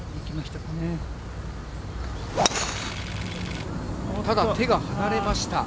ただ、手が離れました。